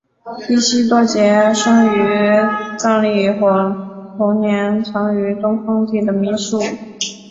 依喜多杰生于藏历火龙年藏东康地的米述。